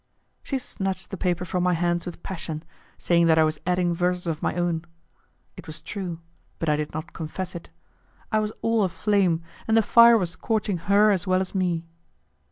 She snatched the paper from my hands with passion, saying that I was adding verses of my own; it was true, but I did not confess it. I was all aflame, and the fire was scorching her as well as me.